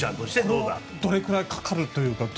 これはどれくらいかかるというか。